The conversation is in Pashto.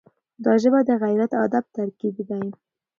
دا ژبه د غیرت او ادب ترکیب دی.